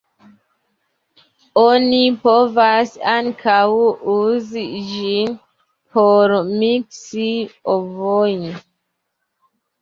Oni povas ankaŭ uzi ĝin por miksi ovojn.